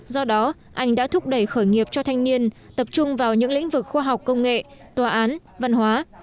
do đó anh đã thúc đẩy khởi nghiệp cho thanh niên tập trung vào những lĩnh vực khoa học công nghệ tòa án văn hóa